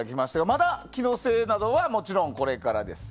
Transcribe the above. まだ機能性などはもちろんこれからです。